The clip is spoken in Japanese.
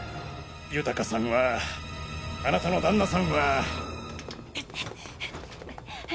豊さんはあなたの旦那さんは。